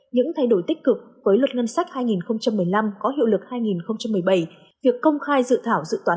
những thay đổi tích cực với luật ngân sách hai nghìn một mươi năm có hiệu lực hai nghìn một mươi bảy việc công khai dự thảo dự toán